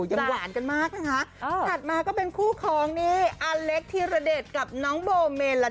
ยังหวานกันมากนะคะอ๋อถัดมาก็เป็นคู่คลองนี้อาเล็กทีระเด็ดกับน้องโบมเมลดา